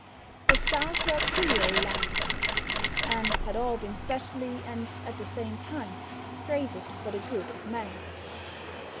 The stars were auxiliary lights, and had all been specially, and at the same time, created for the good of man.